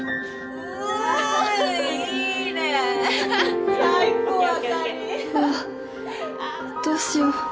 うわっどうしよう